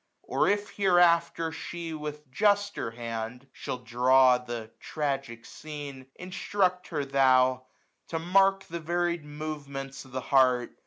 Or if hereafter she, with juster hand, Shall draw the tragic scene, instruct her thod, io6a To mark the varied movements of the heart.